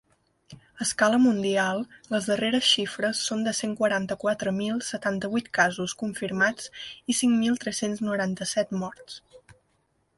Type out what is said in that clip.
A escala mundial les darreres xifres són de cent quaranta-quatre mil setanta-vuit casos confirmats i cinc mil tres-cents noranta-set morts.